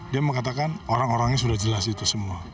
dia mengatakan orang orangnya sudah jelas itu semua